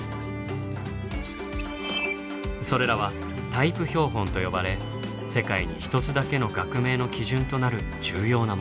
それらはタイプ標本と呼ばれ世界にひとつだけの学名の基準となる重要なもの。